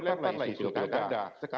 lebih lebar lah isu pilkada